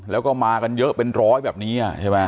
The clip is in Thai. แล้วก็มากันเยอะเป็นร้อยแบบนี้